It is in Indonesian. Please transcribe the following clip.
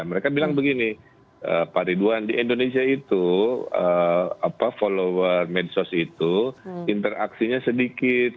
mereka bilang begini pak ridwan di indonesia itu follower medsos itu interaksinya sedikit